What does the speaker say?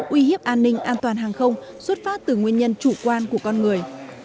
uy hiếp an ninh an toàn hàng không xuất phát từ nguyên nhân chủ quan của con người